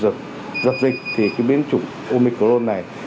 để phòng giật dịch thì cái biến chủng omicron này